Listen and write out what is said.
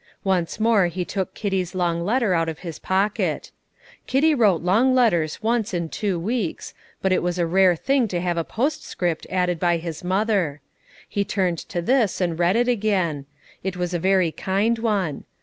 Once more he took Kitty's long letter out of his pocket. Kitty wrote long letters once in two weeks, but it was a rare thing to have a postscript added by his mother. He turned to this and read it again; it was a very kind one.